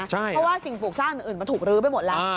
เพราะว่าสิ่งปลูกสร้างอื่นมันถูกลื้อไปหมดแล้ว